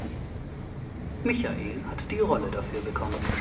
Michael hat die Rolle dafür bekommen.